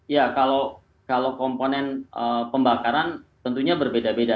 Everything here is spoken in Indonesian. ya kalau komponen pembakaran tentunya berbeda beda